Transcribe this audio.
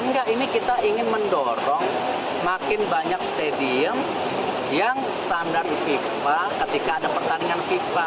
enggak ini kita ingin mendorong makin banyak stadium yang standar fifa ketika ada pertandingan fifa